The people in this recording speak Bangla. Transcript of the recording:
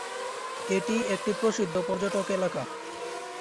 এটি একটি প্রসিদ্ধ পর্যটক এলাকা।